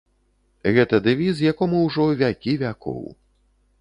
Гэта дэвіз, якому ўжо вякі вякоў.